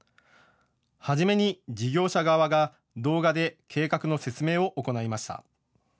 初めに事業者側が動画で計画の説明を行いました。